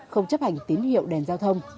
không chấp hành tín hiệu đèn giao thông